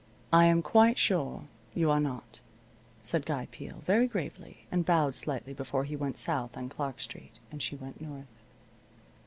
"I am quite sure you are not," said Guy Peel, very gravely, and bowed slightly before he went south on Clark Street, and she went north.